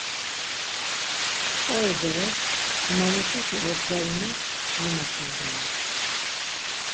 Mt̆ǩori beres cumamuşişi obgarinu var naxondinu.